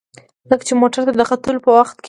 ځکه چې موټر ته د ختلو په وخت کې.